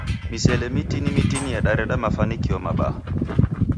Misele mitini mitini yadareda mafanikio mabaa.